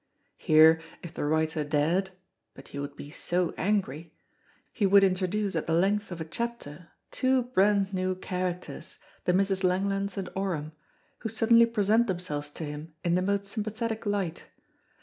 Here if the writer dared (but you would be so angry) he would introduce at the length of a chapter two brand new characters, the Misses Langlands and Oram, who suddenly present themselves to him in the most sympathetic light.